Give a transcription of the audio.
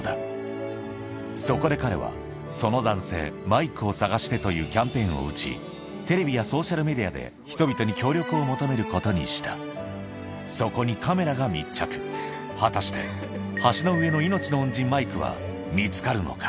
「マイクを捜して！」というキャンペーンを打ちテレビやソーシャルメディアで人々に協力を求めることにしたそこにカメラが密着果たして橋の上の命の恩人マイクは見つかるのか？